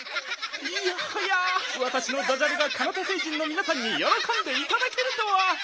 いやはやわたしのダジャレがカナタ星人のみなさんによろこんでいただけるとは！